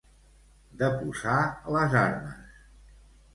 Deposar les armes.